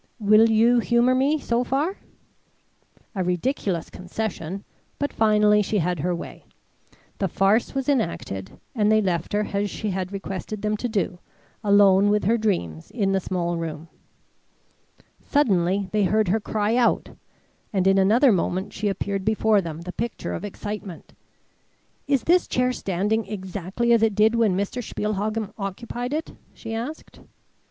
Will you humour me so far?" A ridiculous concession, but finally she had her way; the farce was enacted and they left her as she had requested them to do, alone with her dreams in the small room. Suddenly they heard her cry out, and in another moment she appeared before them, the picture of excitement. "Is this chair standing exactly as it did when Mr. Spielhagen occupied it?" she asked.